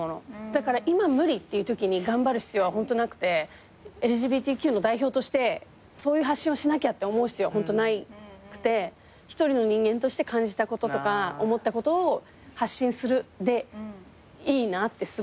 だから今無理っていうときに頑張る必要はホントなくてＬＧＢＴＱの代表としてそういう発信をしなきゃって思う必要はホントなくて一人の人間として感じたこととか思ったことを発信するでいいなってすごく思う。